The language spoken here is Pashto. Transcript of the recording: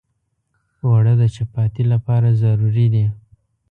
اوړه د چپاتي لپاره ضروري دي